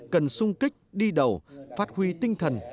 cần sung kích đi đầu phát huy tinh thần